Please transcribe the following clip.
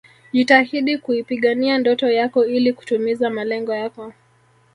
Jitahidi kuipigania ndoto yako ili kutimiza malengo yako